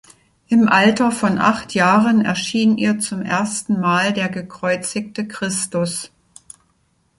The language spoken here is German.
Im Alter von acht Jahren erschien ihr zum ersten Mal der gekreuzigte Christus.